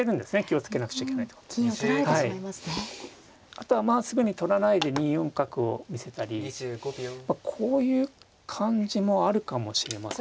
あとはすぐに取らないで２四角を見せたりこういう感じもあるかもしれませんね。